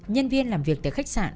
nhân viên làm việc tại khách sạn